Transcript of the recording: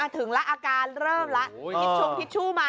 ถึงแล้วอาการเริ่มแล้วทิชชูมา